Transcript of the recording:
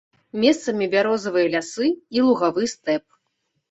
Месцамі бярозавыя лясы і лугавы стэп.